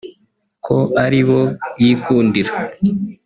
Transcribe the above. ko ari bo yikundira